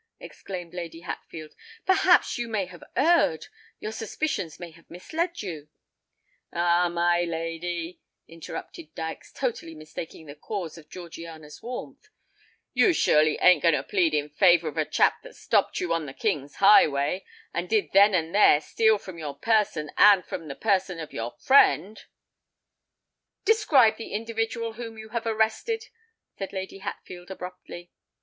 exclaimed Lady Hatfield. "Perhaps you may have erred—your suspicions may have misled you——" "Ah! my lady," interrupted Dykes, totally mistaking the cause of Georgiana's warmth; "you surely ain't going to plead in favour of a chap that stopped you on the King's highway, and did then and there steal from your person and from the person of your friend——" "Describe the individual whom you have arrested," said Lady Hatfield abruptly.